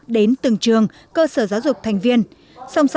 đến từng trường cơ sở giáo dục thành viên